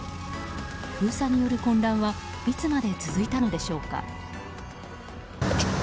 封鎖による混乱はいつまで続いたのでしょうか。